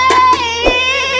indri indri indri